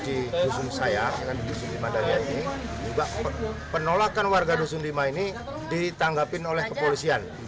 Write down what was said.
di dusun saya di dusun lima daya ini juga penolakan warga dusun lima ini ditanggapin oleh kepolisian